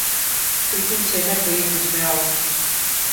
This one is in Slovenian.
Pri tem se je neprijetno smejal.